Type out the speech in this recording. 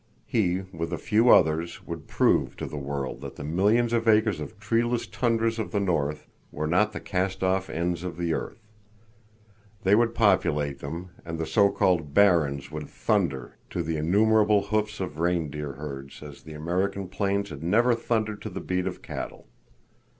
He, with a few others, would prove to the world that the millions of acres of treeless tundras of the north were not the cast off ends of the earth. They would populate them, and the so called "barrens" would thunder to the innumerable hoofs of reindeer herds as the American plains had never thundered to the beat of cattle.